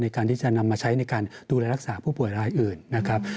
ในการที่จะนำมาใช้ในการดูแลรักษาผู้ป่วยรายอื่นนะครับ